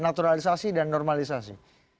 naturalisasi dan normalisasi